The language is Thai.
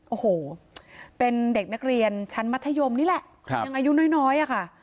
โอ้โหเป็นเด็กนักเรียนชั้นมัธยมนี่แหละยังอายุน้อยอะค่ะ